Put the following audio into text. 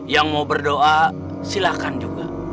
yang mau berdoa silakan juga